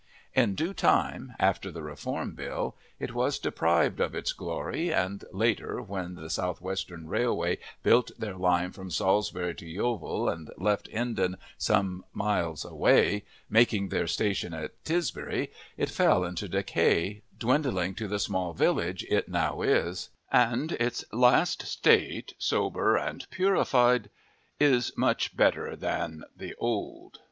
In due time, after the Reform Bill, it was deprived of its glory, and later when the South Western Railway built their line from Salisbury to Yeovil and left Hindon some miles away, making their station at Tisbury, it fell into decay, dwindling to the small village it now is; and its last state, sober and purified, is very much better than the old.